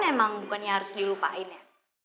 emang bukannya harus dilupain ya